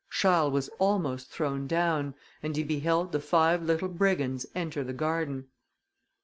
Charles was almost thrown down, and he beheld the five little brigands enter the garden.